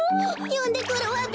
よんでくるわべ！